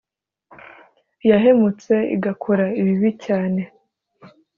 yahemutse igakora ibibi cyane